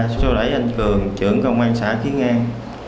sau đấy anh cường trưởng công an xã kiến an